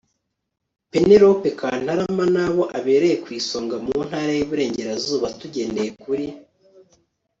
pénélope kantarama n'abo abereye ku isonga, mu ntara y'iburengerazuba. tugendeye kuri